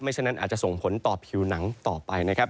ฉะนั้นอาจจะส่งผลต่อผิวหนังต่อไปนะครับ